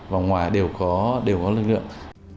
vòng ngoài đều có lực lượng